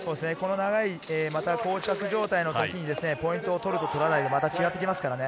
長い、こう着状態の時にポイントを取るか取らないで、また違ってきますからね。